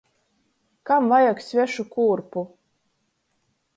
Kam vajag svešu kūrpu.